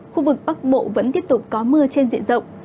khu vực bắc bộ vẫn tiếp tục có mưa trên diện rộng